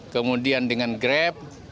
kemudian dengan grab